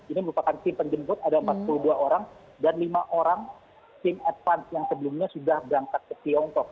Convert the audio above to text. ini merupakan tim penjemput ada empat puluh dua orang dan lima orang tim advance yang sebelumnya sudah berangkat ke tiongkok